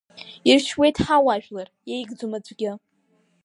Иршьуеит ҳауаажәлар, иеигӡом аӡәгьы…